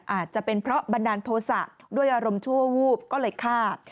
อาจจะเป็นเพราะบันดาลโทษะด้วยอารมณ์ชั่ววูบก็เลยฆ่า